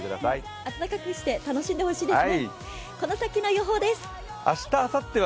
暖かくして楽しんでほしいですね。